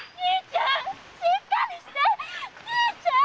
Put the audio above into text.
兄ちゃん！